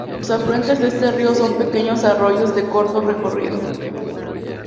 Los afluentes de este río son pequeños arroyos de corto recorrido.